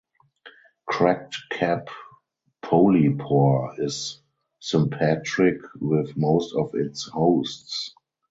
Cracked cap polypore is sympatric with most of its hosts.